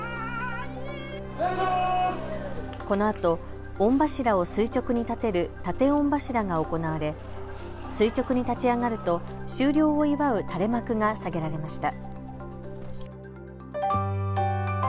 このあと御柱を垂直に建てる建御柱が行われ垂直に建ち上がると、終了を祝う垂れ幕が下げられました。